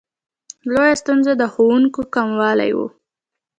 لویه ستونزه د ښوونکو کموالی و.